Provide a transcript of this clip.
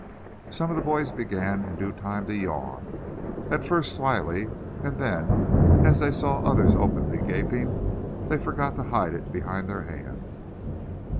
Some of the boys began in due time to yawn, at first slily; and then as they saw others openly gaping, they forgot to hide it behind their hand.